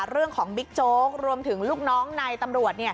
บิ๊กโจ๊กรวมถึงลูกน้องในตำรวจ